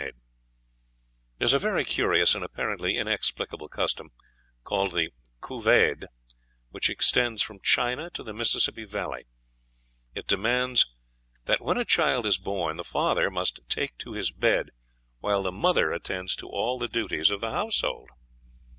There is a very curious and apparently inexplicable custom, called the "Couvade," which extends from China to the Mississippi Valley; it demands "that, when a child is born, the father must take to his bed, while the mother attends to all the duties of the household."